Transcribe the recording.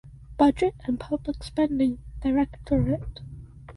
Budget and Public Spending Directorate